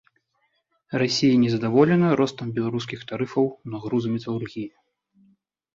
Расія незадаволеная ростам беларускіх тарыфаў на грузы металургіі.